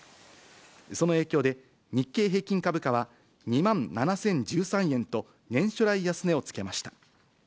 その影響で、日経平均株価は２万７０１３円と、年初来安値をつけました。